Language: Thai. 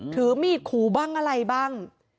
ถือมีดขู่บ้างอะไรบ้าง